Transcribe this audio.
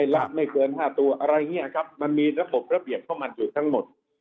ละไม่เกิน๕ตัวอะไรอย่างนี้ครับมันมีระบบระเบียบเข้ามาอยู่ทั้งหมด